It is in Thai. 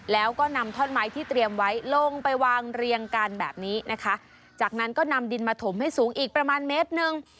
แล้วก็นำท่อนไม้ที่เตรียมไว้ลงไปวางเรียงกันแบบนี้นะคะจากนั้นก็นำดินมาถมให้สูงอีกประมาณเมตรหนึ่ง